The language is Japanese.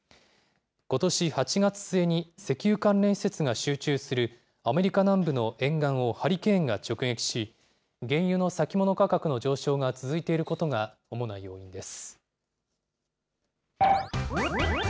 ことし８月末に石油関連施設が集中するアメリカ南部の沿岸をハリケーンが直撃し、原油の先物価格の上昇が続いていることが主な要因です。